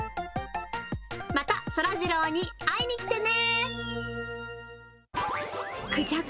またそらジローに会いに来てね。